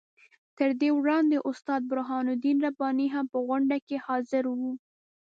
تر دې وړاندې استاد برهان الدین رباني هم په غونډه کې حاضر وو.